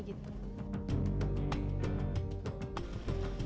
selain pertemuan di dalam desa